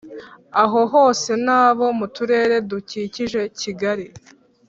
aho hose n abo mu turere dukikije Kigali